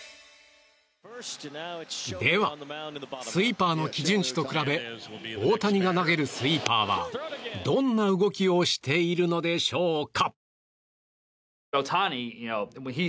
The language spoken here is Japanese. では、スイーパーの基準値と比べ大谷が投げるスイーパーはどんな動きをしているのでしょうか。